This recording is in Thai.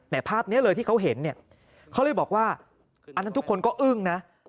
ภาพนี้เลยที่เขาเห็นเนี่ยเขาเลยบอกว่าอันนั้นทุกคนก็อึ้งนะ